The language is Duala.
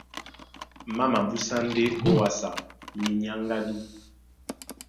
Má mabúsá ndé ówàsá minyáŋgádú.